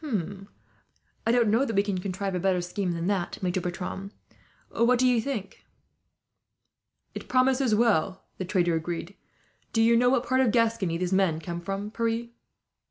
"I don't know that we can contrive a better scheme than that, Maitre Bertram. What do you think?" "It promises well," the trader agreed. "Do you know what part of Gascony these men come from, Pierre?"